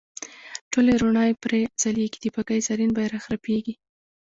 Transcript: ټولې روڼاوې پرې ځلیږي د بګۍ زرین بیرغ رپیږي.